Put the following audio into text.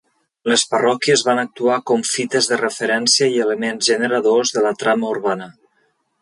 Les parròquies van actuar com fites de referència i elements generadors de la trama urbana.